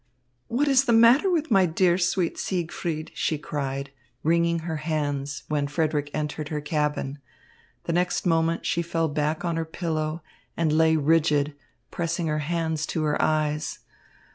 "What is the matter with my dear, sweet Siegfried?" she cried, wringing her hands, when Frederick entered her cabin. The next moment she fell back on her pillow and lay rigid, pressing her hands to her eyes.